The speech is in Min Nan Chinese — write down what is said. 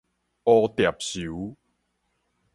蝴蝶泅